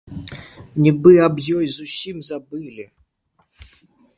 Нібы аб ёй зусім забылі.